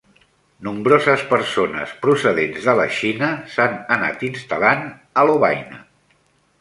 Nombroses persones procedents de la Xina s'han anat instal·lant a Lovaina.